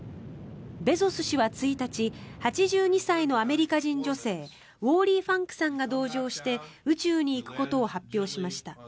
ベゾス氏は１日８２歳のアメリカ人女性ウォーリー・ファンクさんが同乗して宇宙に行くことを発表しました。